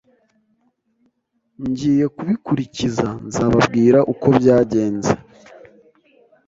Ngiye kubikurikiza nzababwira uko byagenze